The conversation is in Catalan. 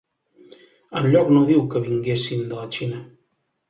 Enlloc no diu que vinguessin de la Xina.